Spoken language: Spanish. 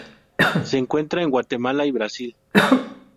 Se encuentra en Guatemala y Brasil.